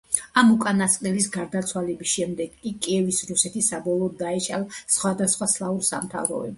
ამ უკანასკნელის გარდაცვალების შემდეგ კი კიევის რუსეთი საბოლოოდ დაიშალა სხვადასხვა სლავურ სამთავროებად.